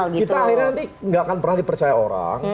kita akhirnya nanti nggak akan pernah dipercaya orang